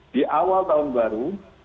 di awal tahun baru